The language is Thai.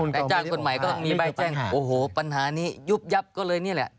นายจ้างคนใหม่ก็มีใบแจ้งโอ้โหปัญหานี้ยุบยับก็เลยนี่แหละ